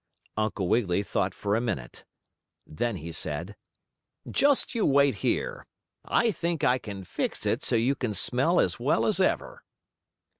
Uncle Wiggily thought for a minute. Then he said: "Just you wait here. I think I can fix it so you can smell as well as ever."